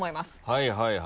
はいはい。